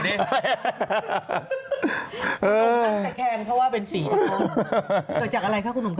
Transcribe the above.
มันตั้งแต่แคมเขาว่าเป็นฝีเจ้าเกิดจากอะไรคะคุณหนุ่มครับ